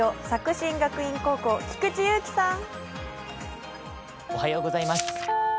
新学院高校、菊池悠希さん。